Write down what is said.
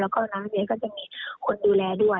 แล้วก็โรงเรียนก็จะมีคนดูแลด้วย